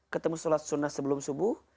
ketemu sholat sunnah sebelum subuh